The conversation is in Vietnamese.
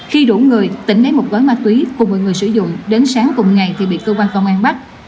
khi đủ người tỉnh lấy một gói ma túy cùng một người sử dụng đến sáng cùng ngày thì bị cơ quan công an bắt